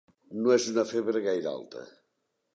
No és una febre gaire alta.